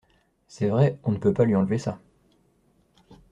C’est vrai, on ne peut pas lui enlever ça.